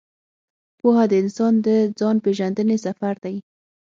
پوهه د انسان د ځان پېژندنې سفر دی.